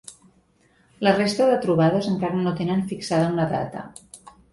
La resta de trobades encara no tenen fixada una data.